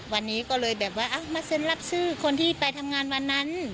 วันนี้ก็เลยแบบว่ามาเซ็นรับชื่อคนที่ไปทำงานวันนั้น